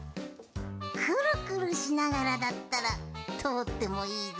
くるくるしながらだったらとおってもいいぞ。